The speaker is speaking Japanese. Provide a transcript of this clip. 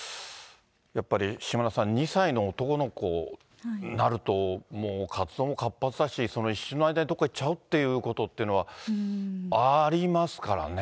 やっぱり島田さん、２歳の男の子になると、もう活動も活発だし、一瞬の間にどっかに行っちゃうということはありますからね。